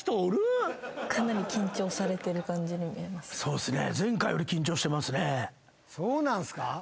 そうっすね。